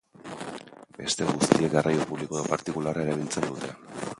Beste guztiek garraio publiko edo partikularra erabiltzen dute.